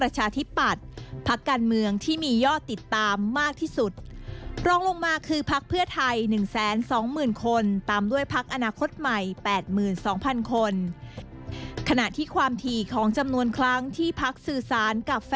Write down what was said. เจาะประเด็นจากรายงานครับ